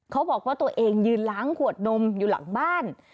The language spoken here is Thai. เขาบอกว่าตัวเองยืนล้างขวดนมอยู่หลังบ้าน